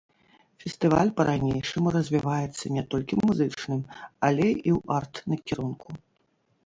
Фестываль па-ранейшаму развіваецца не толькі ў музычным, але і ў арт-накірунку.